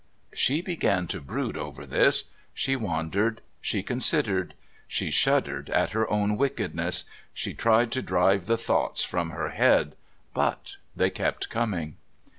She began to brood over this. She wandered... She considered. She shuddered at her own wickedness; she tried to drive the thoughts from her head, but they kept coming.